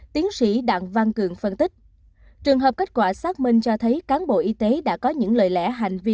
tiến sĩ đặng văn cường phân tích trường hợp kết quả xác minh cho thấy cán bộ y tế đã có những lời lẽ hành vi